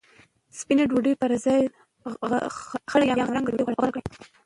سپینه ډوډۍ پر ځای خړه یا غنمرنګه ډوډۍ غوره کړئ.